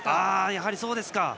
やはり、そうですか。